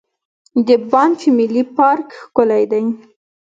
د بانف ملي پارک ښکلی دی.